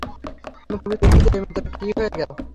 আমি খুবই দুঃখিত এইমাত্র কি হয়ে গেল?